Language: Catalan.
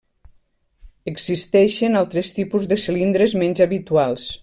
Existeixen altres tipus de cilindres menys habituals.